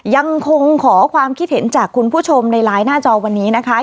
ยังคงขอความคิดเห็นจากคุณผู้ชมในไลน์หน้าจอวันนี้นะคะ